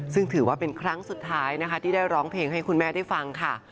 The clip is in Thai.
ซึ่งถือว่าเป็นครั้งสุดท้ายนะคะที่ได้ร้องเพลงให้คุณแม่ได้ฟังค่ะ